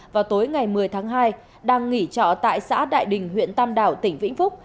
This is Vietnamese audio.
vào tối ngày một mươi tháng hai đang nghỉ trọ tại xã đại đình huyện tam đảo tỉnh vĩnh phúc